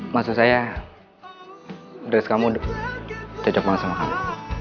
maksud saya dress kamu cocok banget sama kamu